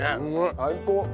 最高！